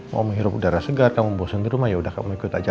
mau menghirup udara segar kamu bosen di rumah yaudah kamu ikut aja